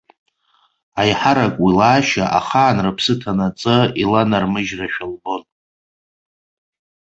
Аиҳарак уи лаашьа ахаан рыԥсы ҭанаҵы иланармыжьрашәа лбон.